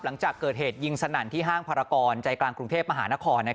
หลังจากเกิดเหตุยิงสนั่นที่ห้างภารกรใจกลางกรุงเทพมหานคร